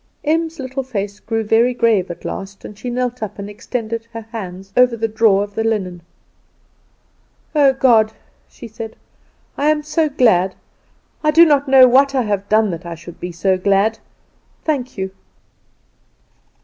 Em's little face grew very grave at last, and she knelt up and extended her hands over the drawer of linen. "Oh, God!" she said, "I am so glad! I do not know what I have done that I should be so glad. Thank you!"